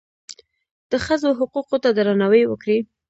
د ښځو حقوقو ته درناوی وکړئ